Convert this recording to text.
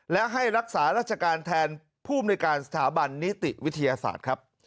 และให้รักษาราชการแทนผู้มนุยการสถาบันนิติวิทยาศาสตร์ครับ